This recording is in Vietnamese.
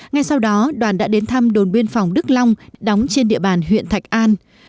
ngay sau đó đoàn đã đến thăm đồn biên phòng đức long đóng trên địa bàn huyện thạch an